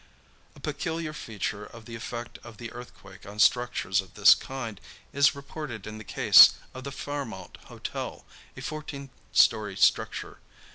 A peculiar feature of the effect of the earthquake on structures of this kind is reported in the case of the Fairmount Hotel, a fourteen story structure.